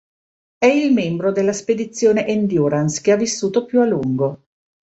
È il membro della spedizione Endurance che ha vissuto più a lungo.